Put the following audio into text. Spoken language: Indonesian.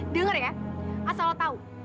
dengar ya asal lo tau